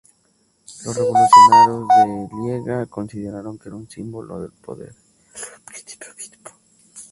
Los revolucionarios de Lieja consideraron que era un símbolo del poder del príncipe obispo.